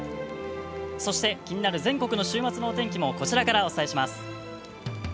そして気になる全国の週末のお天気もこちらから、お伝えします。